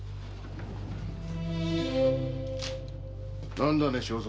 何だね庄三？